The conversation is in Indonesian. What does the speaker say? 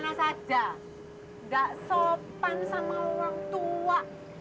nggak sopan sama orang tua